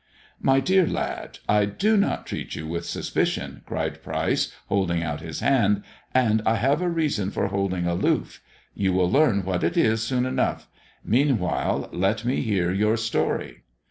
" My dear lad, I do not treat you with suspicion," cried Pryce, holding out his hand. " And I have a reason for holding aloof ! You will learn what it is soon enough. Meanwhile, let me hear your story."